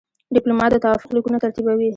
ډيپلومات د توافق لیکونه ترتیبوي.